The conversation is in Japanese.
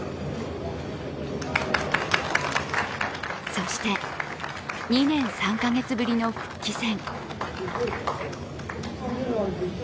そして、２年３か月ぶりの復帰戦。